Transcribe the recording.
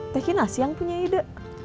teh kinasi yang punya ide